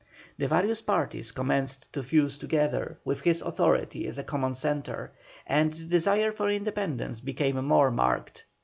The various parties commenced to fuse together, with his authority as a common centre, and the desire for independence became more marked.